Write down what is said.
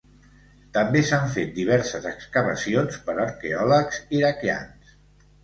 També s'han fet diverses excavacions per arqueòlegs iraquians.